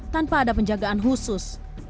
tanpa ada penjagaan khusus